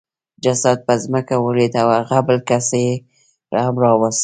جسد په ځمکه ولوېد او هغه بل کس یې هم راوست